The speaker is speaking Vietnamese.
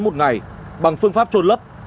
một ngày bằng phương pháp trôn lấp